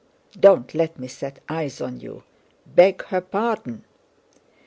Don't let me set eyes on you; beg her pardon!"